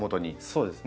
そうです。